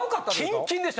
キンキンでした！